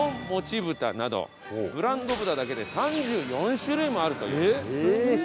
ぶたなどブランド豚だけで３４種類もあるという。